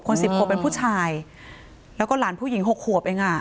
สิบขวบเป็นผู้ชายแล้วก็หลานผู้หญิงหกขวบเองอ่ะ